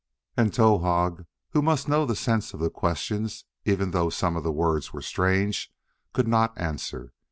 And Towahg, who must know the sense of the questions, even though some words were strange, could not answer.